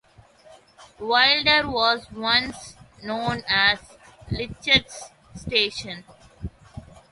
Wilder was once known as Leitch's Station.